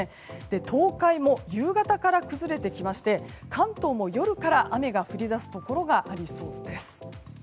東海も夕方から崩れてきまして関東も夜から、雨が降り出すところがありそうです。